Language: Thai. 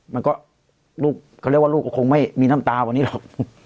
มันก็ลูกเขาเรียกว่าลูกก็คงไม่มีน้ำตาวันนี้หรอก